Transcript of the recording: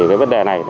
về vấn đề này